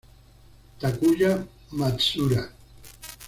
Takuya Matsuura